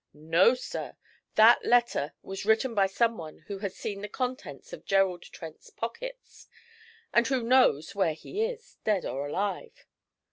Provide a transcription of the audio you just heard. No, sir, that letter was written by someone who has seen the contents of Gerald Trent's pockets, and who knows where he is, dead or alive.'